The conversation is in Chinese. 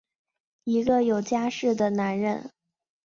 一个有家室的男人！